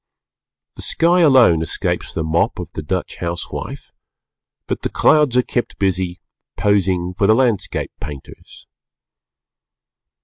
The Sky alone escapes the mop of the Dutch housewife but the clouds are kept busy posing for the landscape painters.